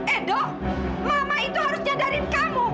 edo mama itu harus nyadarin kamu